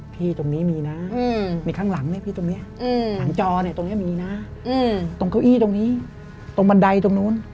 ตรงนี้มีนะมีข้างหลังไหมพี่ตรงนี้หลังจอเนี่ยตรงนี้มีนะตรงเก้าอี้ตรงนี้ตรงบันไดตรงนู้น